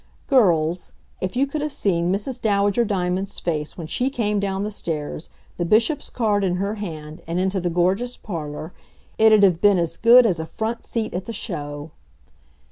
Girls, if you could have seen Mrs. Dowager Diamonds' face when she came down the stairs, the Bishop's card in her hand, and into the gorgeous parlor, it'd have been as good as a front seat at the show.